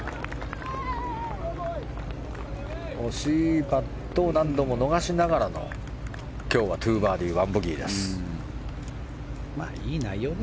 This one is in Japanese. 惜しいパットを何度も逃しながらの、今日は２バーディー１ボギーです。